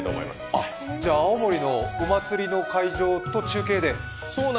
ええっ、じゃあ青森のお祭りの会場と中継で？